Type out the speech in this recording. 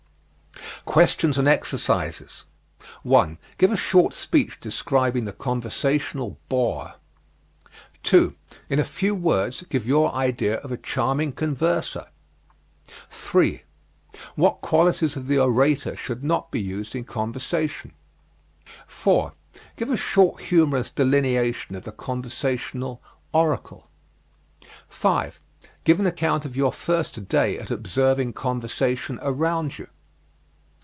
QUESTIONS AND EXERCISES 1. Give a short speech describing the conversational bore. 2. In a few words give your idea of a charming converser. 3. What qualities of the orator should not be used in conversation. 4. Give a short humorous delineation of the conversational "oracle." 5. Give an account of your first day at observing conversation around you.